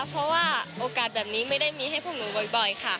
เพราะว่าโอกาสแบบนี้ไม่ได้มีให้พวกหนูบ่อยค่ะ